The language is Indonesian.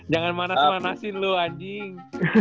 jangan manas manasin loh anjing